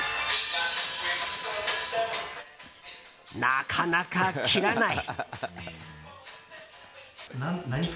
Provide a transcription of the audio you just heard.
なかなか切らない。